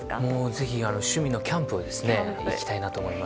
ぜひ、趣味のキャンプに行きたいなと思います。